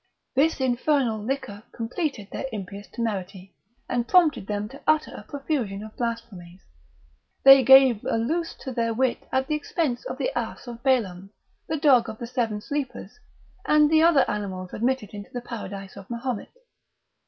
This infernal liquor completed their impious temerity, and prompted them to utter a profusion of blasphemies; they gave a loose to their wit at the expense of the ass of Balaam, the dog of the seven sleepers, and the other animals admitted into the paradise of Mahomet.